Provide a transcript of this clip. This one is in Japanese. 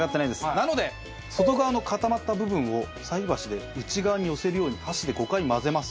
なので外側の固まった部分を菜箸で内側に寄せるように箸で５回混ぜます。